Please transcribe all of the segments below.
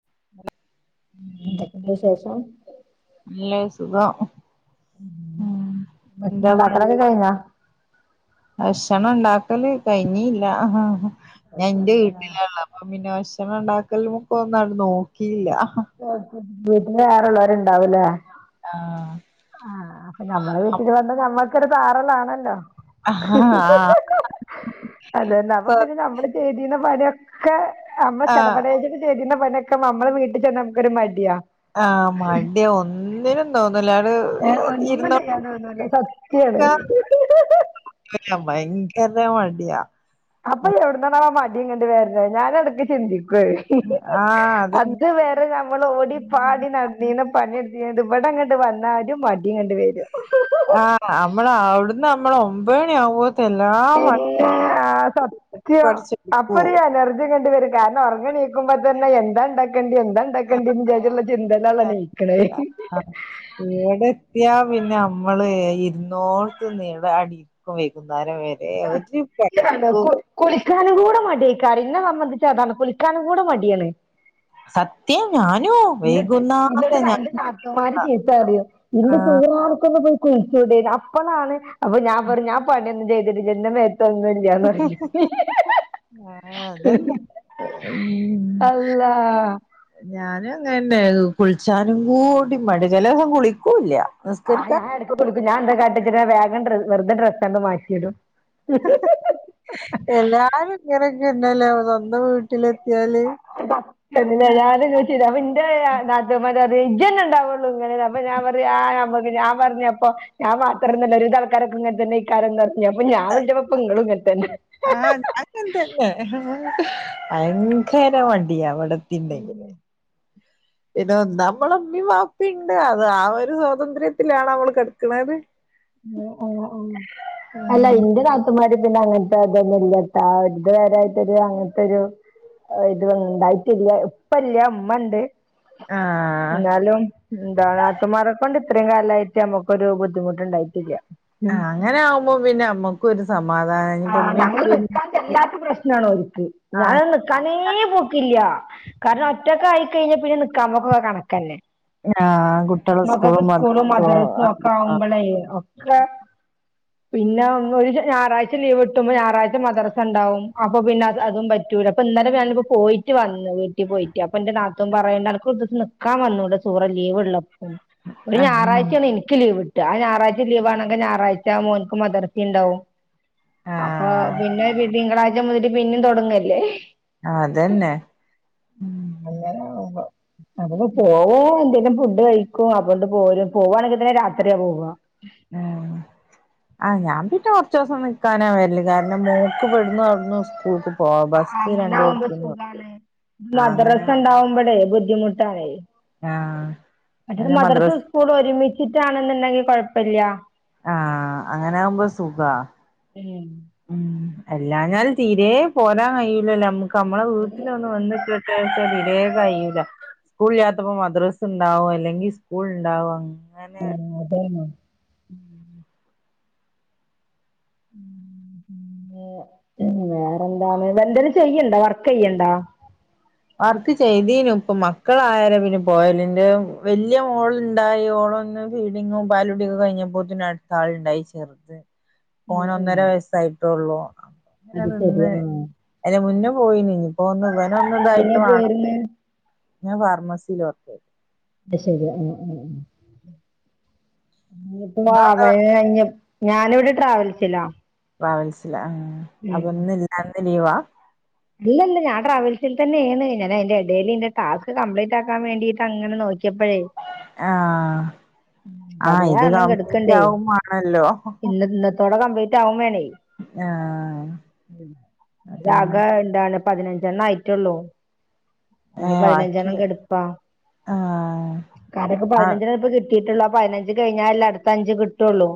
[unintelligible] എന്തക്കെണ്ട് വിശേഷം? നല്ല സുഖം ഉം എന്താ പറ ഭശ്ണണ്ടാക്കലൊക്കെ കയ്ഞാ? ഭക്ഷണം ഉണ്ടാക്കല് കഴിഞ്ഞില്ല ഞാൻ എന്റെ വീട്ടിലള്ള അ പിന്നെ വശണണ്ടാക്കലു പ്പ ന്നട് നോക്കീല്ല. [unintelligible] വീട്ടില് വേറെള്ളവരുണ്ടാവൂലേ ആഹ ആഹ അപ്പ ഞമ്മളെ വീട്ടില് വന്ന ഞമ്മക്കൊരു താറ ലാണല്ലോ. ആഹ് അതെനമ്മ അപ്പ പിന്നെ നമ്മള് ചെയ്തിുന്ന പണിയൊക്കെ നമ്മ ആഹ് ചടപട ചരിണ പണ്യാക്കെ നമ്മൾ വീട്ട് ചെന്ന നമുക്കൊരു മട്യാ. ആഹ് മടി ഒന്നിനും തോന്നില്ലാട് ഏഹ് [unintelligible] ഒന്നും ഇരുന്നോ ചെയ്യാൻ തോന്നൂല സത്യാണ് [unintelligible] [unintelligible] ഭയങ്കര മട്യാ. അപ്പൊ എവിടന്നാണവോ ആ മടി ഗണ്ട് വരുന്നത് ഞാന് ഇടക്ക് ചിന്തിക്കുവ ആഹ് അതന്നെ അത് വെരെ നമ്മൾ ഓടി പാടി നട നീന പണിയെടുത്തിത് ഇവിടെങ്ങട്ട് വന്നാലുഒരു മടിയും കണ്ട് വരും ആ് നമ്മള അവിടുന്ന് നമ്മള ഒമ്പത് മണി ആവ്പോ പിന്നെ ആ തട്ടി സത്യം പടച്ചെടുക്കുവോ അപ്പരു എനർജി കാരണം ഉറങ്ങ നീക്കുമ്പോൾ തന്നെ എന്താ ഉണ്ടാക്കേണ്ടി എന്താ [unintelligible] ആ ഇവിടെ എത്തിയാ പിന്നെ നമ്മള് ഇരുന്നോടത്തുന്നുഅടി [unintelligible] വൈകുന്നേരം വരെ ഒരു പണിക്കും കുളിക്കാനും കൂടെ മടിയെക്കേരം എന്നെ സംബന്ധിച്ച് അതാണ് കുളിക്കാനും കൂടെ മടിയാണ് സത് എന്നിട്ട് എന്നിട്ട് ഞാൻ എന്റെ നാത്തുമാരു ചീത്ത പറയും എന്റെ ആഹ് സുഹറ നിനക്ക് ഒന്ന് പോയി [unintelligible] അപ്പളാണ് അപ്പൊ ഞാൻ പറയും ഞാൻ പണിയൊന്നും ചെയ്തിട്ടില്ലന്റെ മേത്ത് [unintelligible] ആഹ് ആഹ് അത് തന്നെ ഉം അള്ളാ ഞാനും അങ്ങനന്നെ കുളിച്ചാനും കൂടി മടി ചെലദിവസം കുളിക്കൂല്ല ആ നിസ്കരിക്കാൻ ഞാൻ ഇടക്ക് കുളിക്കും ഞാ എന്താ കാട്ടചിട്ട വേഗം ഡ്ര വെറുതെ ഡ്രസ്സ്ണ്ട് മാറ്റിടും [unintelligible] എല്ലാരും ഇങ്ങനൊക്കെന്നല്ലേ സ്വന്തം വീട്ടിലെത്തിയാല് [inaudible] ന്റെ നാത്തൂൻമാര് പറയി ജെന്നെ ഉണ്ടാവുള്ളൂ ഇങ്ങനെ അപ്പൊ ഞാൻ പറ ആ ഞാ പറഞ്ഞപ്പോ ഞാൻ മാത്രന്നല്ല ഒരിവിധം ആൾക്കാരൊക്കെ ഇങ്ങനെ തന്നെ ആക്കാരം പറഞ്ഞ അപ്പ ഞാൻ വിളിച്ചപ്പ ഇങ്ങളും എങ്ങനെ തന്നെ [unintelligible] [unintelligible] തന്നെ ഭയങ്കര മടിയാ അവിടത്തിണ്ടെങ്കി പിന്നെ ഒന്ന് നമ്മളെ ഇമ്മിമ വാപ്പിണ്ട് അത് ആ ഒരു സ്വാതന്ത്ര്യത്തിലാണ് അവൾ കിടക്കിണത് ആ ആ ആ അല്ല എന്റെ നാതു അമാരി പിന്നെ അങ്ങനത്തെ അതൊന്നുല്ലട്ടാ അത് വരായിട്ടൊരു അങ്ങനത്തെരു ഇത് ഉണ്ടായിട്ടില്ല ഉപ്പല്ല ഉമ്മണ്ട് ആഹാ... ! എന്നാലും എന്ത നാത്തൂ മാരെക്കൊണ്ട് ഇത്രയും കാലയിട്ട് നമ്മുക്കൊരു ബുദ്ധിമുട്ട് ഉണ്ടായിട്ടില്ല അങ്ങനൊവുമ്പോ പിന്നെ നമുക്കും ഒരു സമാധാനം ഇഞ്ഞി പ്പോ ഉമ്മി ഇപ്പിൻ എല്ലാത്ത പ്രശ്നണോ ഒരിക്ക് ഞാനൊന്നും നിക്കാനേ പോക്കില്ല കാരണം ഒറ്റക്കെയി കഴിഞ്ഞാൽ പിന്നെ നിക്കാൻ പോക്കൊക്കെ കണക്കന്നെ ആഹ് കുട്ടികള് മക്കക്കും സ്കൂളും, മദ്രസോ മദ്രസ ഒക്കെ ആഹ് ആകുമ്പോളേ ഒക്കെ- പിന്നെ [unintelligible] ഒരു ഞായറാഴ്ച ലീവ് ഇട്ടുമ്പോ ഞായറാഴ്ച മദ്രസ ഉണ്ടാവും അപ്പൊ പിന്നെ അത് അതും പ റ്റുല്ല അപ്പ ഇന്നാലെ ഞാനിപ്പോ പോയിട്ട് വന്ന് വീട്ടിൽ പോയിട്ട് അപ്പൊ എന്റെ നാത്തൂൻ പറയേണ്ട് അനക്ക് ഒരു ദിവസം നി ക്കാ വന്നൂടെ സുഹറ ലീവ് ഉള്ളപ്പോ ഒരു ഞായറാഴ്ചയാണ് എനിക്ക് ലീവ് കിട്ടആ ഞായറാഴ്ച ലീവാണെങ്കിൽ ഞായറാഴ്ച മോന്ക്ക് മദ്രാസീം ഉണ്ടാവും അപ്പൊ ആഹ് പിന്നെ തിങ്കളാഴ്ച മുതല് പിന്നെ തുടങ്ങല്ലേ ആ അതന്നെ അങ്ങനെ ഒന്നും ഇല്ല, പോവും ഫുഡ്‌ കഴിക്കും. ക്കു അതുകൊണ്ട് പോരും പോവുണെങ്കിൽന്നെ രാത്രിയാ പോവുക ആഹാ... ! ആഹാ ഞാൻ പിന്നെ കുറച്ച് ദിവസം നിക്കാനാ വേറെല്, കാരണം മോക്- ഇവിടുന്ന്, അവിടുന്ന് സ്കൂളുക്ക് പോവാ. ബസ് അങ്ങനെ ആവുമ്പോ രണ്ടോടത്തുന്നും സുഖാണ് ഇ അങ്ങനെ മദ്രസ ഉണ്ടാകുമ്പോഴേ ബുദ്ധിമുട്ടാണേ ആഹ് മറ്റേത് പിന്നെ മദ്രസ മദ്രസ് സ്കൂളും ഒരുമിച്ചിട്ടാണെന്നുണ്ടെങ്കി കൊയപ്പില്ലാ ആഹ് അങ്ങനെ ആവുമ്പോ സുഖാ ഉം ഉം എല്ലാഞാല് തീരെ പോരാൻ കഴിയില്ലല്ലോ നമ്മുക്ക് നമ്മളെ വീട്ടിലൊന്ന് വന്നിട്ടട്ടെ കഴിയുല്ല സ്കൂളിലാത്തപ്പോ മദ്രസ ഉണ്ടാവും, അല്ലെങ്കിൽ സ്കൂൾ ഉണ്ടാവും. [unintelligible] ഉം [unintelligible] ഉം വേറെന്താണ് വന്തേലും ചെയ്യണ്ടോ വർക്ക് ചെയ്യണ്ടോ വർക്ക് ചെയ്തീനും ഇപ്പം മക്കളായാരം പിന്നെ പോയാലിന്റു വലിയ മോളുണ്ടായി ഓളൊന്ന് ഫീഡിങ്ങും പാലുകുടിയൊക്കെ കഴിഞ്ഞപ്പോത്തിന് അടുത്ത ആളുണ്ടായി ചെറുത് ഉം ഓന് ഉം ഒന്നര വയസ്സായിട്ടള്ളൂ. അങ്ങനെ അത് ശരി നിന്ന് ആഹ് അയിന് മുന്നേ പോയിനി ഇപ്പോ ഒന്ന് ഇവനെ ഒന്ന് ഇതായി പോയിര്ന്ന് ഞാൻ ഫാർമസിൽ വർക്കെയ്ണ്. ഒക്കെ ശെരി ആ ആ നിങ്ങളെന്താ വർ ഇനിപ്പോ [unintelligible] ഞാനിവിടെ ട്രാവൽസില. ട്രാവൽസില ആ അപ്പൊന്ന് ഇന്ന് ലീവാ. അല്ലല ഞാൻ ട്രാവൽസിൽതന്നെയാണ് ഞാനയിന്റെടേലിന്റെ ടാസ്ക് കംപ്ലിറ്റാക്കാൻ വേണ്ടീട്ട് അങ്ങനെ നോ ക്കിപ്പഴേ. ആഹ് ആഹ് ഇത് പതിനേഴ്ണ്ണം കംപ്ലീറ്റ് കെടക്കിണ്ടേ ആവും മാണല്ലോ ഇന്ന് ഇന്ന തൊടെ കംപ്ലീറ്റാവും വേണേ ആഹ് രാ അതാണ് എന്താണ് പതിനഞ്ചെണ്ണം ആയിട്ടൊള്ളൂ. ഇനി ഏഹ് ബാക്കി പതിനഞ്ചെണ്ണം കെടുപ്പാ ആഹ് കാരൊക്ക ആഹ് പതിനഞ്ചെണം ഇപ്പ കി ട്ടീട്ടുള്ളു ആ പതിനഞ്ച് കയിഞ്ഞാലലേ അടുത്ത അഞ്ച് കിട്ടൊള്ളൂ.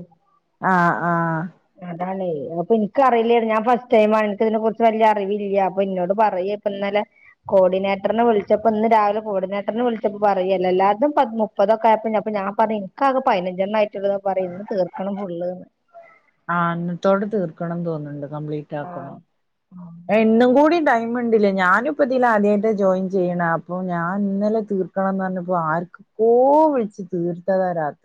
ആഹ് ആഹ്. അതാണെയ് അപ്പൊ എക്കിറിയിലേറ്നു ഞാൻ ഫസ്റ്റ് ടൈമാ എക്കി ഇതിനെ കുറിച്ച് വല്യ റിവില്യ അപ്പൊ ഇന്നോട് പറയ ഇപ്പന്നലെ. കോർഡിനേട്രിനെ വിളിച്ചപ്പോ ഇന്ന് രാവിലെ കോർഡിനേട്രിനെ വിളിച്ചപ്പോ പറയലല്ലാൽതും പതി മുപ്പ് മുപ്പതൊക്കെയപ്പ പ്പ ഞാൻ പറഞ് ഇനിക്കാകെ പയിനഞ്ചെണ്ണം ആയിട്ടൊളന്ന് പറയും ഇന്ന് തീർക്കണം ഫുള്ന്ന്. ആ ഇന്നത്തോടെ തീർക്കണം തോന്നിണ്ട് കംപ്ലീറ്റ് ആക്കണം ഏ ഇന്നും കൂട ടൈം. ണ്ട്‌ലേ ഞാനിപ്പൊ ഇതിലാദ്യായിട്ട് ജോയിൻ ചെയ്യണെ അപ്പൊ ഞാൻ ഇന്നലെ തീർക്കണംന്ന് പറഞ്ഞപ്പോ ആർക്ക്. ഓ വിളിച്ച്ണ് ത്താ വരാത്ത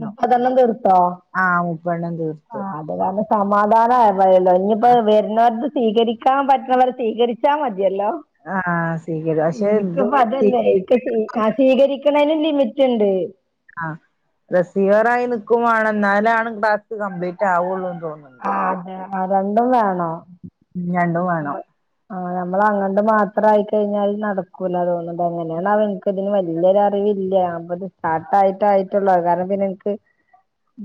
മുപ്പതെണ്ണണം തീർത്തൊ. ആഹ് മുപ്പെണ്ണം തീർ [unintelligible] സമാധാനായല്ലോ ഇനിയിപ്പോ വെര്. ങ്ങളത് സ്വീകരിക്കാൻ പറ്റണവർ സ്വീകരിച്ചാമതിയല്ലോ ആഹ് സ്വീകരി പക്ഷെ ഇത് എനിക്കപ്പതല്ലേ സ്വീകരിക്കണം എക്ക് സ്വി സീകരിക്ക.. ക്കണെന് ലിമിറ്റിണ്ട്. ആ റെസീവറായി നിക്കുവാണം ന്നാലാണ് ടാസ്ക് കംപ്ലീറ്റ് ആവൊള്ളൂന്ന് തോന്നുന്ന്. ആ അതെ ആ രണ്ടും വേണോ. മിന്നന്ന് ആ നമ്മളങ്ങട്ട് മാത്രായി കയിഞ്ഞാൽ നടക്കൂല തോന്നിണ്ട്‌ എങ്ങനെയാവൊ യ്ക്ക്. ഇപ്പൊതിന് വലിയൊരറിവില്യാ ഞാപ്പത് സ്റ്റാർട്ടായിട്ടായിട്ടൊള്ളൂ അത്കാരണംപ്പനിക്ക്.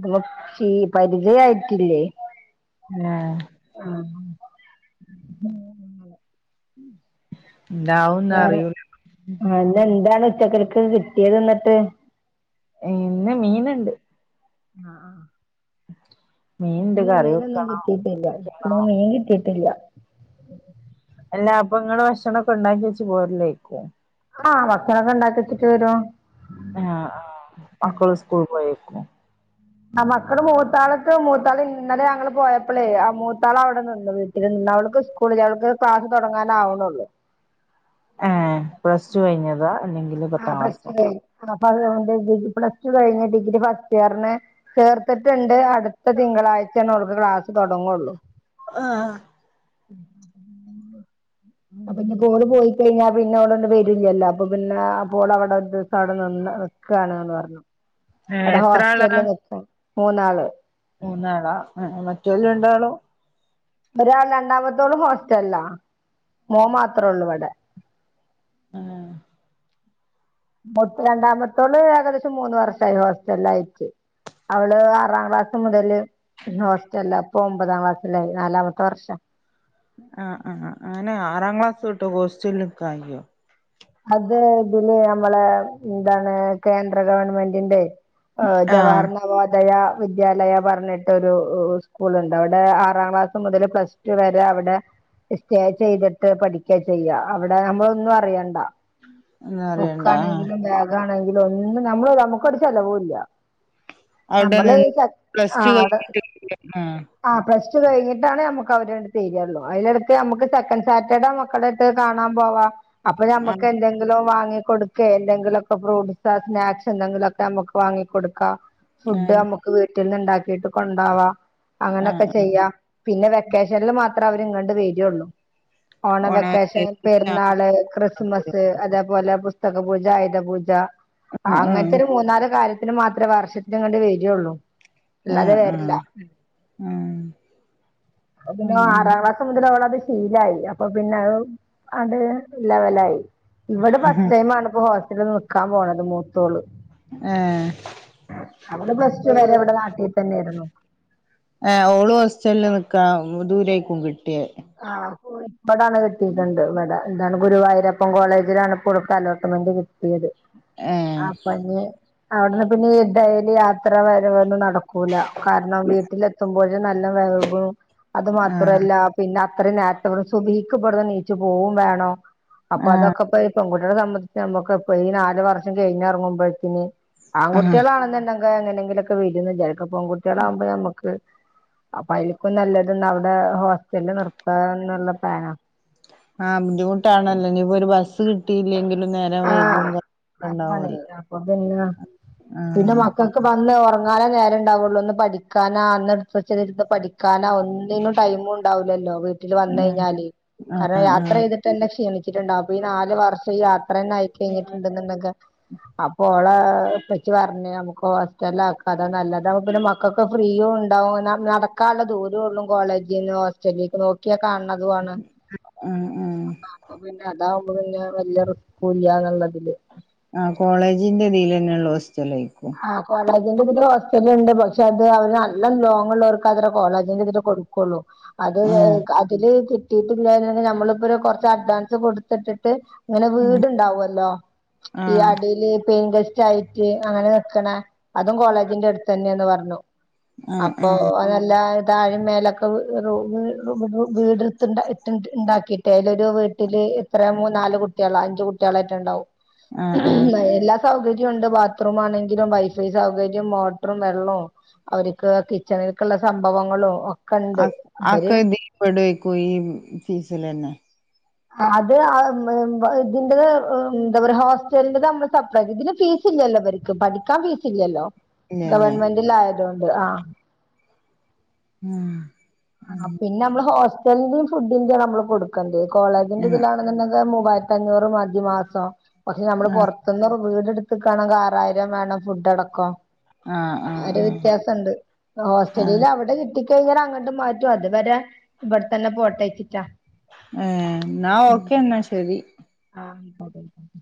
ത് ശി പരിചയായിട്ടില്ലേ. ഏഹ്. ആഹ് ന്താവൂന്നറിയൂല. ആ ഇന്നെന്താണ് ഉച്ചക്കൾക്ക് കിട്ടിയത് ന്നട്ട്. ഹെ ഇന്ന് മീനിണ്ട്. ആഹ്. [inaudible] ഇന്ന് കറി മീനൊന്നും വെക്കണം കിട്ടീട്ടില്യ ഇന്ന് മീൻ കിട്ടിട്ടില്യ. അല്ല അപ്പൊ ഇങ്ങള് ഭക്ഷണൊക്കെ ഇണ്ടാക്ക്യേച്ച് പോരലെക്കും. ആഹ് ഭക്ഷണൊക്കെ ഇണ്ടാക്കിവെച്ചിട്ട് വരും. ആഹ ആ മക്കള് സ്കൂൾക്ക് പോയേക്കും. ആ മക്കള് മൂത്താളക്ക് മൂത്താള് ഇന്നലെ ഞങ്ങള് പോയപ്പളെ ആ മൂത്താളവിടെ നിന്ന് വീട്ട നിന്ന് അവൾക്ക് ഉസ്കൂളില്യ അവൾക്ക് ക്ലാസ് തൊടങ്ങാനാവണൊള്ളൂ. ഏഹ് പ്ലസ് ടു കയിഞ്ഞതാ അല്ലെങ്കില് ആഹ് പത്താം പ്ലസ് ക്ലാസ്സോ ടു കയിഞ് അപ്പൊ ഡിഗ പ്ലസ് ടു കയിഞ് ഡിഗ്രി ഫസ്റ്റ്യറിന്. ചേർത്തിട്ടിണ്ട് അടുത്ത തിങ്കളാഴ്ചണോൾക്ക് ക്ലാസ് തൊടങ്ങൊള്ളൂ. ആഹ്. [inaudible] അപ്പൊ ഇനിപ്പ ഓള് പോയിക്കഴിഞ്ഞാ പിന്നെ അവിടൊണ്ട് വരൂല്ലല്ലോ അപ്പൊ പിന്നെ അപ്പോൾ അവിടെ ഒരു ദിവസ അവടെ നിന്ന് നിക്കാണന്ന് പറഞ്ഞു ഏഹ് അവ്ടെ എത്ര ആളാ ഹോസ്റ്റലിൽ നിക്കണ് മൂന്നാള് മൂന്നാളാ എ മറ്റോള് രണ്ടാളോ ഒരാൾ രണ്ടാമത്തോളും ഹോസ്റ്റലിലാ. മോൻ മാത്രേള്ളൂ ഇവടെ ആഹ് രണ്ടാമത്തോള് ഏകദേശം മൂന്ന് വർഷായി ഹോസ്റ്റലിലായിറ്റ് അവള് ആറാം ക്ലാസ് മുതല് ഹോസ്റ്റലിലാ ഇപ്പം ഒമ്പതാം ക്ലാസ്സിലായി നാലാമത്തെ വർഷ ആഹ് ആഹ് അഹ് അങ്ങനെ ആറാം ക്ലാസ് തൊട്ട് ഹോസ്റ്റലില് നിക്കാല്യോ അത് ഇതില് നമ്മളെ ന്താണ് കേന്ദ്ര ഗവൺമെന്റിന്റെ ഓ ആഹ് ജവഹർന നവോദയ വിദ്യാലയ പറഞ്ഞിട്ടൊരു ഉ ഉ സ്കൂളൊണ്ട് അവിടെ ആറാം ക്ലാസ് മുതൽ പ്ലസ് റ്റു വര അവ്ടെ സ്റ്റേ ചെയ്തിട്ട് പഠിക്കാ ചെയ്യാ അവ്ടെ നമ്മളൊന്നും അറിയണ്ട എന്ന് പറയണ്ടാ ആഹ് ബുക്കാണെങ്കിലും ബാഗാണെങ്കിലും ഒന്നും നമ്മള് നമ്മുക്കൊരു ചെലവും ഇല്ല അവിടെ നമ്മള് നിന്ന് [unintelligible] പ്ലസ് ആ ടു ആട കഴിഞ്ഞിട്ട് ആഹ് പ്ലസ്റ്റു കഴിഞ്ഞിട്ടാണ് നമുക്ക് അവര് അങ്ങട്ട് തരിയേ ഒള്ളൂ അതിനിടക്ക് നമുക്ക് സെക്കൻ്റ് സാ [unintelligible] മക്കളട്ത്ത് കാണാം പോവാ അപ്പൊ ഞമ്മക്ക് ആഹ് എന്തെങ്കിലും വാങ്ങി കൊടുക്കേ എന്തെങ്കിലൊക്ക ഫ്രൂട്ട്സാ സ്നാക്സ് എന്തെങ്കിലൊക്കെ നമുക്ക് വാങ്ങി കൊടുക്കാ ഫുഡ് ആഹ് നമുക്ക് വീട്ടീന്ന് ഉണ്ടാക്കിട്ട് കൊണ്ടാവാ അങ്ങനെ ആഹ് ഒക്കെ ആഹ് ചെയ്യാം പിന്നെ വെക്കേഷനില് മാത്രം അവരിങ്ങണ്ട് വരുയോള്ളു ഓണ വെക്കേഷൻ പെരുന്നാള്, ക്രിസ് സ് അതേപോല പുസ്തകപൂജ, ആയുധപൂജ ആഹ് ആഹ് അങ്ങനത്തെ ഒരു മൂന്നാല് കാര്യ ത്തിന് മാത്രേ വർഷത്തിലങ്ങാണ്ടെ വരിയേള്ളൂ അല്ലാതെ വരില്ല ആഹ് മ് ആഹ് അത് പിന്നെ അങ്ങനെ ആറാംക്ലാസ് മുതല് അവളത് ശീലായി അപ്പൊ പിന്നെ അട്ത് ലവലായി ഇവടെ ഫസ്റ്റ്റ്റേമാണ് ഇപ്പൊ ഹോസ്റ്റിറ്റലിൽ നിക്കാൻ പോണത് മൂത്തോള് ഏഹ് അവള് പ്ലസ് ടു വരെ ഇവിടെ നാട്ടി തന്നേരുന്നു. ആ ഓളു ഹോസ്റ്റലില് നിക്കാം ദൂരേക്കും കിട്ടിയേ ആഹ് പോയ് [unintelligible] കിട്ടീട്ടുണ്ട് ഇവ്ട എന്താണ് ഗുരുവായൂരപ്പൻ കോളേജിലാണ് ഇപ്പോടുക്ക അലോട്ട്മെന്റ് കിട്ടിയത് ഏഹ് അപ്പൊ ഇനി അവിടുന്ന് പിന്നെ എന്തായാല് യാത്ര വരവൊന്ന് നട ക്കൂല കാരണം വീട്ടിലെത്തുമ്പോഴ് നല്ല വയ്കും അത് ആഹ് മാത്രല്ല പിന്ന അത്രയും നേരത്തെ ഇവ്ട്ന്ന് [unintelligible] എഴിച്ച് പോവും വേണോം അപ്പൊ അതൊക്ക പൊയ്യപ്പം പെൺകുട്ടികളെ സംബന്ധിച്ച് നമുക്ക് ഇപ്പ ഈ നാല് വർഷം കഴിഞ്ഞെറങ്ങുമ്പോഴത്ത്ന് ആഹ് ആൺകുട്ടികളാണെന്നുണ്ടെങ്കെ എങ്ങനെങ്കിലൊക്കെ വരുന്നല്ലേ അതിൽക്ക പെൺകുട്ടികളാകുമ്പോ ഞമ്മക്ക് അപ്പ അയ്‌ല്ക്കും നല്ലത് ഇന്നവിടെ ഹോസ്റ്റലില് നിർത്താന്നുള്ള പ്ലാനാ ആഹ് ബുദ്ധിമുട്ടാണല്ലേ ഇനിപ്പൊ ഒരു ബസ് കിട്ടീലെങ്കിലും നേ ആഹ് അത് പോലെ അപ്പം പിന്ന പിന്ന ആഹ് മക്ക ക്ക് വന്ന് ഒറങ്ങാനേ നേരം ഉണ്ടാവുള്ളൂ ഒന്ന് പഠിക്കാനാ അന്നെടുത്ത് വച്ച് എഴ്ത് പഠിക്കാനാ ഒ ഒന്നിനും ടൈമും ഉണ്ടാവില്ലല്ലോ വീട്ടില് വന്ന് ആഹ് കഴിഞ്ഞാല് ആഹ് കാരണം യാത്ര ആഹ് ചെയ്തിട്ട് തന്നെ ക്ഷീണിച്ചിട്ടുണ്ടാവും അപ്പ ഈ നാല് വർഷം യാത്ര തന്നെ ആയി കഴിഞ്ഞിട്ടുണ്ട ന്നുണ്ടെങ്ക അപ്പൊ ഓള ഉപ്പച്ചി പറഞ്ഞ് നമുക്ക് ഹോസ്റ്റലിലാക്കാ അതാ നല്ലത് ഇതാവുമ്പോ പിന്നെ മക്കക്ക് ഫ്രീയും ഒണ്ടാവും ന നടക്കാ ഒള്ള ദൂരേ ഉള്ളൂ കോളേജീന്ന് ഹോസ്റ്റലിലേക്ക് നോ ക്കിയാ കാണ് ണതു ആണ് ആഹ് ആഹ് അപ്പ പിന്നെ അതാവുമ്പോ പിന്നെ വലിയ റിസ് ക്കു ഇല്ല്യാന്നൊള്ളതില് ആ കോളേജിന്റെ ഇതിലന്ന യൊള്ള ഹോസ്റ്റലേക്കും ആ കോളേജിന്റെ ഇതിൽ ഹോസ്റ്റല് ഉണ്ട് പക്ഷെ അത് അവര് നല്ല ലോങ് ഉള്ളവർക്ക് അത്ര കോളേജിന്റെ ഇതില് കൊടു ക്കോളു അത് അ ആഹ് അതില് കിട്ട് കിട്ടീട്ടില്ലായിരുന്നെ [unintelligible] നമ്മളിപ്പൊരു കൊറച്ച് അഡ്വാൻസ് കൊടുത്തിട്ടിട്ട് ഇങ്ങനെ വീടുണ്ടാവല്ലോ ഈ ആഹ് അടീല് പേയിങ് ഗസ്റ്റായിറ്റ് അങ്ങനെ അതും കോളേജിന്റെ അടുത്തെന്നെന്ന് പറഞ്ഞു ആഹ് അപ്പൊ ആഹ് അതല്ല താഴിം മേലൊക്കെ റൂമ് വീട്ത് ഇണ്ടാക്കിയിട്ടെ അതില് ഒരു വീട്ടില് എത്ര മൂനാല് കുട്ട കുട്ടേളോ അഞ്ച് കുട്ടേളോ എറ്റെ ഇണ്ടാവും ആഹ് എല്ലാ സൗകര്യം ഇണ്ട് ബാത്റൂ ആണെങ്കലും വൈഫൈ സൗകര്യം മോട്ടറും വെള്ളവും അവർക്ക് കിച്ചണിൽക്കുള്ള സംഭവങ്ങളും ഒക്കെ ഉണ്ട് അ ഇവര് അഒക്കെ ദീപെടേക്കും ഈ ഫീസലെന്നെ ആ അത് ആ ഇതിന്റെത് എന്താ പറ ഹോസ്റ്റലിന്റെ നമ്മള് സെപ്പറേറ്റ് ഇതിന്റെ ഫീസ് ഫീസ് ഇല്ലല്ലോ ഇവർക്ക് പഠിക്കാൻ ഫീസിലല്ലോ ഇല്ലല്ലേ ഗവൺമെന്റിൽ ആയതോണ്ട് ആ ഉം ആ പിന്നെനമ്മള് ഹോസ്റ്റലിന്റീം ഫുഡിന്റിം നമ്മള് കൊടുക്കേണ്ടേ കോളേജിന്റെ ആഹ് ഇതിലാ മൂവായിരത്തഞ്ഞൂറ് മതി മാസം പക്ഷെ നമ്മള് പുറത്ത്ന്ന് വീട് ഇട്ത് വീട് ഇട്ത്ക്കാണെങ്കിൽ ആറായിരം വേണം ഫുഡ്ടക്കം ആഹ് ആ ഒരു ആഹ് വ്യത്യാസം ക്കണ്ട് ഹോസ്റ്റലിൽ ആഹ് അവിടെ കിട്ടി കഴിഞ്ഞാൽ അങ്ങ മാറ്റും അതുവരെ ഇപടെ തന്നെ പോട്ടെച്ചിട്ടാ ഏ ഏന്നാ ഓക്കേ എന്നാ ശെരി ആ അയിക്കോട്ടെ അയിക്കോട്ടെ